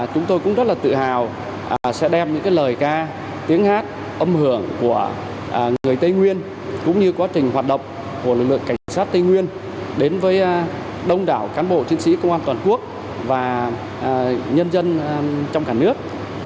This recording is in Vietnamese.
chúng tôi rất tự hào sẽ đem những lời ca tiếng hát âm hưởng của người tây nguyên đến với đông đảo cán bộ chiến sĩ công an toàn quốc và nhân dân trong cả nước